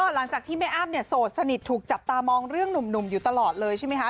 หลังจากที่แม่อ้ำเนี่ยโสดสนิทถูกจับตามองเรื่องหนุ่มอยู่ตลอดเลยใช่ไหมคะ